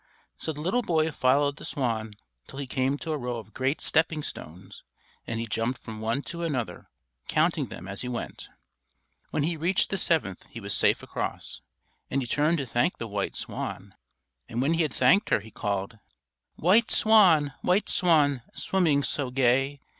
So the little boy followed the swan till he came to a row of great stepping stones, and he jumped from one to another, counting them as he went. When he reached the seventh he was safe across, and he turned to thank the white swan. And when he had thanked her, he called: "_White swan, white swan, swimming so gay!